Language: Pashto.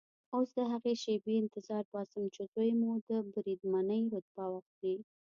اوس د هغې شېبې انتظار باسم چې زوی مو د بریدمنۍ رتبه واخلي.